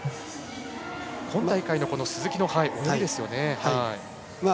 今大会の鈴木の泳ぎですね。